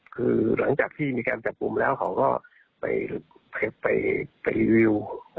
คือหลังจากที่มีการจับกลุ่มแล้วเขาก็ไปรีวิว